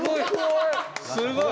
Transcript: すごい！